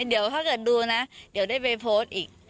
เดี๋ยวถ้าเกิดดูนะเดี๋ยวได้ไปโพสต์อีก